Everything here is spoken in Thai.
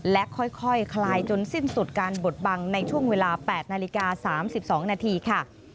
และค่อยคลายจนสิ้นสุดการบดบังในช่วงเวลา๘นาฬิกา๓๒นาทีค่ะ